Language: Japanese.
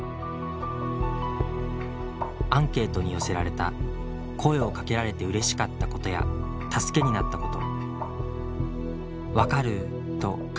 アンケートに寄せられた「声をかけられてうれしかったことや助けになったこと」。